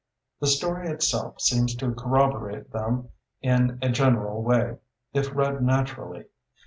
The story itself seems to corroborate them in a general way, if read naturally.